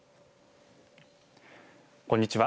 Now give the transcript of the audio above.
こんにちは